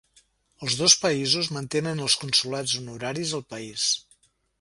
Els dos països mantenen els consolats honoraris al país.